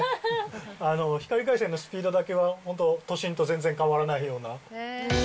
光回線のスピードだけは、本当、都心と全然変わらないような。